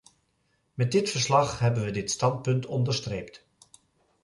Met dit verslag hebben we dit standpunt onderstreept.